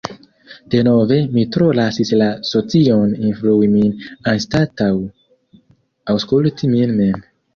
Denove, mi tro lasis la socion influi min anstataŭ aŭskulti min mem.